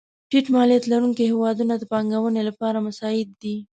ټیټ مالیات لرونکې هېوادونه د پانګونې لپاره مساعد دي.